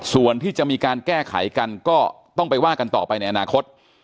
ส่วนที่จะมีการแก้ไขกันก็ต้องไปว่ากันต่อไปในอนาคต